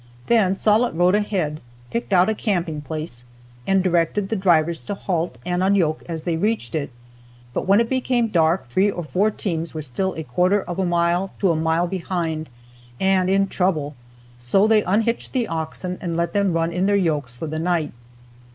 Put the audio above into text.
Then Sollitt rode ahead, picked out a camping place, and directed the drivers to halt and unyoke as they reached it; but when it became dark three or four teams were still from a quarter of a mile to a mile behind, and in trouble, so they unhitched the oxen and let them run in their yokes for the night.